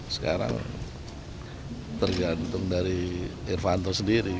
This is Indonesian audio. sekarang tergantung dari irvanto sendiri